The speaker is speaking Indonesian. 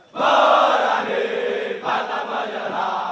merahir patah menyerah